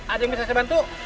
ada yang bisa saya bantu